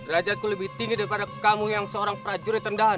rajaku lebih tinggi daripada kamu yang seorang prajurit rendahan